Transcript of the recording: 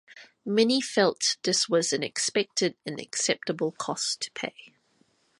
Many felt this was an expected and acceptable cost to pay.